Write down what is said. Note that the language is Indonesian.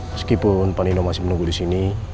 meskipun pani ndo masih menunggu disini